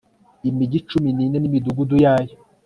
imigi cumi n'ine n'imidugudu yayo